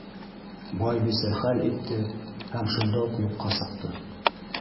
Байбисә хәл итте һәм шунда уҡ юҡҡа сыҡты.